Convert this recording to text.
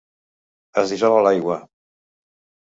Es dissol a l'aigua.